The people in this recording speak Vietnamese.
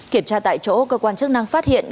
kiểm tra tại chỗ cơ quan chức năng phát hiện